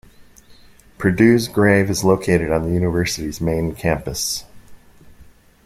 Purdue's grave is located on the university's main campus.